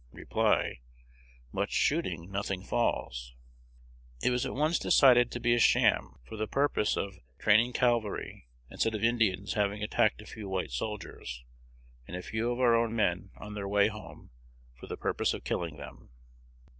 Reply: 'Much shooting, nothing falls.' It was at once decided to be a sham for the purpose of training cavalry, instead of Indians having attacked a few white soldiers, and a few of our own men, on their way home, for the purpose of killing them."